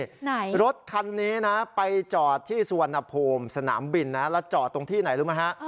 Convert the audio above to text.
ไหนรถคันนี้นะไปจอดที่สุวรรณภูมิสนามบินนะแล้วจอดตรงที่ไหนรู้ไหมฮะ